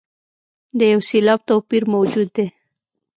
د یو سېلاب توپیر موجود دی.